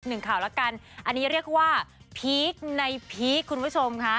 หนึ่งข่าวแล้วกันอันนี้เรียกว่าพีคในพีคคุณผู้ชมค่ะ